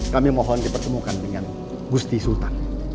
kami mohon dipertemukan dengan gusti sultan